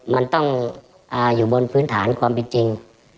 มันต้องอยู่บนพื้นฐานความเป็นจริง